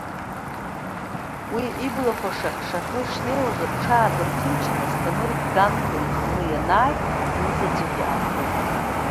Уи иблақәа шаҟь-шаҟьо ишнеиуаз рҽаадырҭынчын, Асҭамыр Бганба иҟны ианааи, зынзаҵәык иааҭгылт.